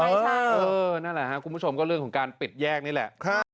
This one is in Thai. นั่นแหละครับคุณผู้ชมก็เรื่องของการปิดแยกนี่แหละ